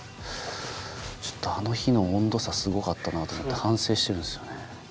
ちょっとあの日の温度差すごかったなと思って反省してるんですよね。